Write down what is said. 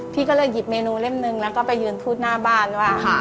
พี่ก็เลยหยิบเมนูเล่มนึงแล้วก็ไปยืนทูตหน้าบ้านว่า